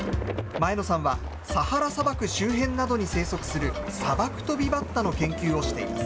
前野さんはサハラ砂漠周辺などに生息する、サバクトビバッタの研究をしています。